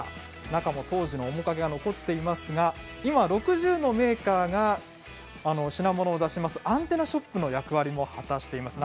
中も当時の面影が残っていますが今６０のメーカーが品物を出しますアンテナショップの役割も果たしています。